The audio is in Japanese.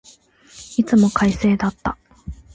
いつも快晴だった。